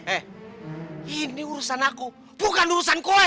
hei ini urusan aku bukan urusan gue